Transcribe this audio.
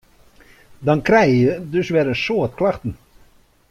Dan krije je dus wer in soad klachten.